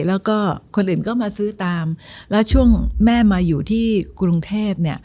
แล้วก็คนอื่นก็มาซื้อตามแล้วช่วงแม่มาอยู่ที่กรุงเทพเนี่ย